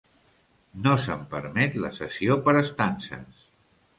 No se'n permet la cessió per estances.